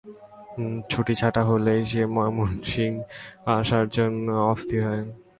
ছুটিছাটা হলেই সে ময়মনসিংহ আসবার জন্যে অস্থির হয়।